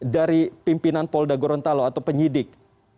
dari pimpinan polda gurun talu atau penyidik